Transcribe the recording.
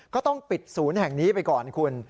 ก็ต้องปิดศูนย์แห่งนี้ไปก่อนคุณ